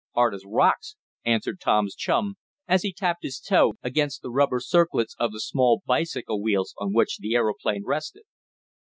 "Hard as rocks," answered Tom's chum, as he tapped his toe against the rubber circlets of the small bicycle wheels on which the aeroplane rested.